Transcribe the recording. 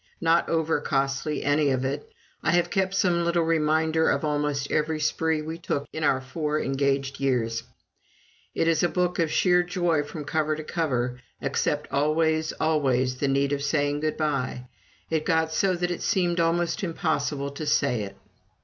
Not over costly, any of it. I have kept some little reminder of almost every spree we took in our four engaged years it is a book of sheer joy from cover to cover. Except always, always the need of saying good bye: it got so that it seemed almost impossible to say it.